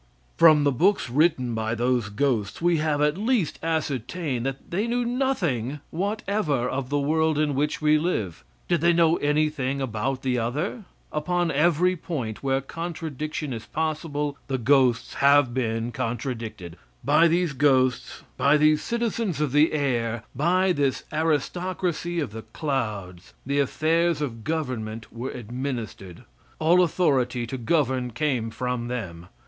From the books written by those ghosts we have at least ascertained that they knew nothing whatever of the world in which we live. Did they know anything about any other? Upon every point where contradiction is possible, the ghosts have been contradicted. By these ghosts, by these citizens of the air, by this aristocracy of the clouds the affairs of government were administered all authority to govern came from them.